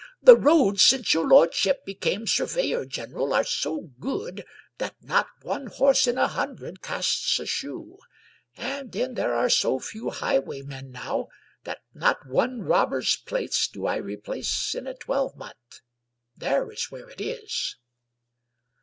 "The roads since your lordship became surveyor general are so good that not one horse in a hundred casts a shoe; and then there are so few highwaymen now that not one rob ber's plates do I replace in a twelvemonth. There is where it is."